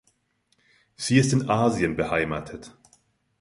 Sie ist in Asien beheimatet.